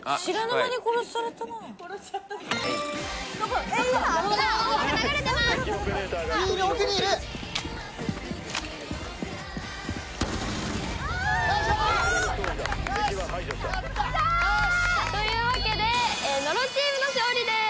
よしやったよし！というわけで野呂チームの勝利です！